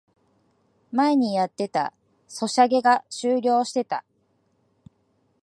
前にやってたソシャゲが終了してた